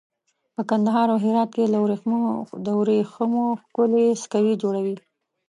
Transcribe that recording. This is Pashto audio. په کندهار او هرات کې له وریښمو ښکلي سکوي جوړوي.